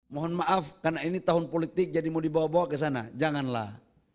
mohon maaf karena ini tahun politik jadi mau dibawa bawa ke sana janganlah